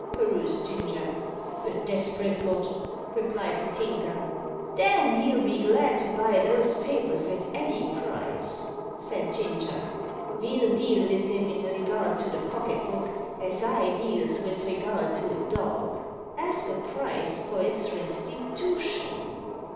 perused Ginger. "A desperate lot," replied the Tinker. "Then he'll be glad to buy those papers at any price," said Ginger. "Ve'll deal vith him in regard to the pocket book, as I deals vith regard to a dog ask a price for its restitootion."